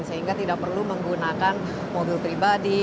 sehingga tidak perlu menggunakan mobil pribadi